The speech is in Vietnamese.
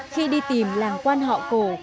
khi đi tìm làng quan họ cổ